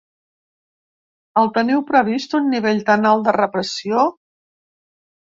El teniu previst, un nivell tan alt de repressió?